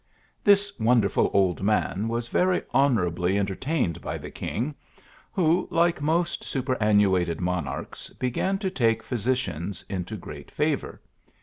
This wonderful old man was very honourably en tertained by the king; who, like most superannu ated monarchs, began to take physicians into great favour.